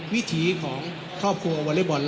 วิถีของครอบครัววอเล็กบอล